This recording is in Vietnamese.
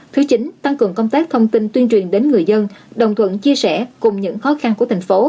thứ chín tăng cường công tác thông tin tuyên truyền đến người dân đồng thuận chia sẻ cùng những khó khăn của thành phố